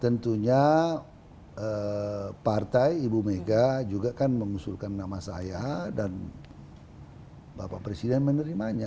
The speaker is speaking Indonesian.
tentunya partai ibu mega juga kan mengusulkan nama saya dan bapak presiden menerimanya